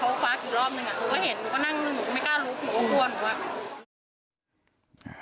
เขาก็ควักอีกรอบนึงอ่ะหนูก็เห็นหนูก็นั่งเลยหนูก็ไม่กล้าลุก